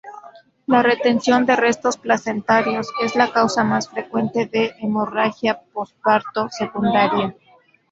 La retención de restos placentarios es la causa más frecuente de hemorragia posparto secundaria.